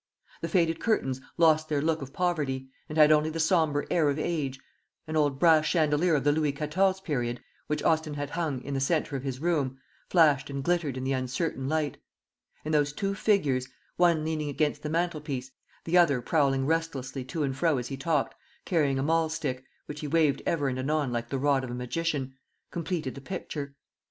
The faded curtains lost their look of poverty, and had only the sombre air of age; an old brass chandelier of the Louis Quatorze period, which Austin had hung in in the centre of his room, flashed and glittered in the uncertain, light; and those two figures one leaning against the mantelpiece, the other prowling restlessly to and fro as he talked, carrying a mahl stick, which he waved ever and anon like the rod of a magician completed the picture.